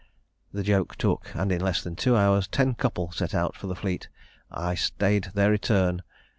The joke took, and in less than two hours ten couple set out for the Fleet. I staid their return.